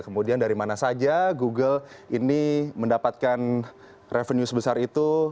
kemudian dari mana saja google ini mendapatkan revenue sebesar itu